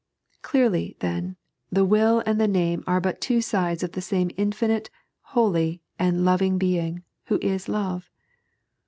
Clearly, then, the will and the name are but two sides of the same infinite, holy, and loving Being, who is Love.